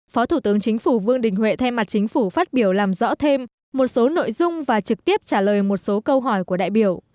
phó thủ tướng chính phủ vương đình huệ thay mặt chính phủ phát biểu làm rõ thêm một số nội dung và trực tiếp trả lời một số câu hỏi của đại biểu